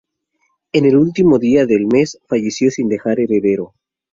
En el último día del mes falleció sin dejar un heredero.